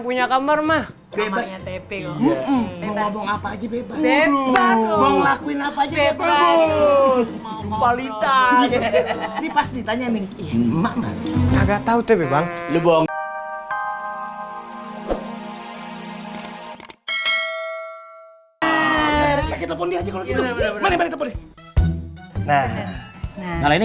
punya kamar mah bebas apa aja bebas lakuin apa aja bebas ini pas ditanya nih enggak tahu